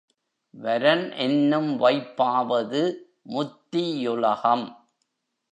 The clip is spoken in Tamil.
வரன் என்னும் வைப்பாவது முத்தியுலகம்.